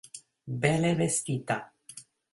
Bele vestita.